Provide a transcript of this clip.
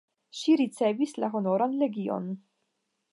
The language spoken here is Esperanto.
Ŝi ricevis la honoran legion.